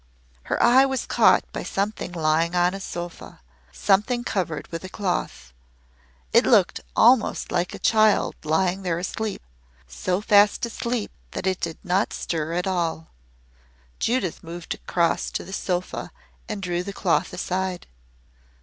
Her eye was caught by something lying on a sofa something covered with a cloth. It looked almost like a child lying there asleep so fast asleep that it did not stir at all. Judith moved across to the sofa and drew the cloth aside.